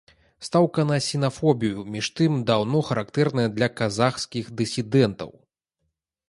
Стаўка на сінафобію, між тым, даўно характэрная для казахскіх дысідэнтаў.